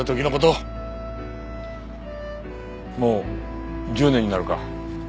もう１０年になるか。